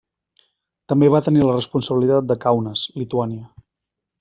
També va tenir la responsabilitat de Kaunas, Lituània.